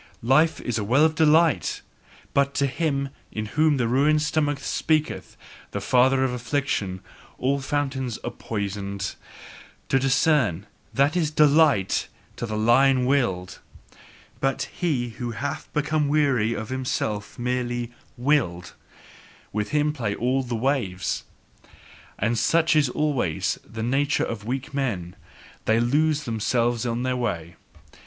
Life is a well of delight, but to him in whom the ruined stomach speaketh, the father of affliction, all fountains are poisoned. To discern: that is DELIGHT to the lion willed! But he who hath become weary, is himself merely "willed"; with him play all the waves. And such is always the nature of weak men: they lose themselves on their way.